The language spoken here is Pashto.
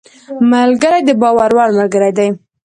ملګری د باور وړ ملګری دی